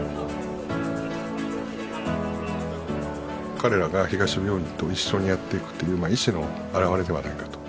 彼らが東病院と一緒にやっていくという意思の表れではないかと。